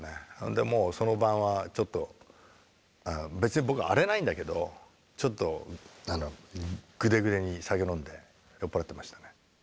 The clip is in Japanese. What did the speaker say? でもうその晩はちょっと別に僕は荒れないんだけどちょっとグデグデに酒飲んで酔っ払ってましたね。